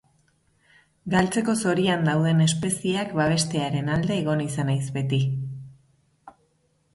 Galtzeko zorian dauden espezieak babestearen alde egon izan naiz beti.